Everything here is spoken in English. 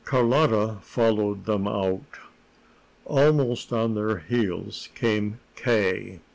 Carlotta followed them out. Almost on their heels came K.